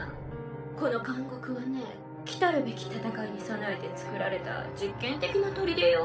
この監獄はね来るべき戦いに備えて造られた実験的な砦よ。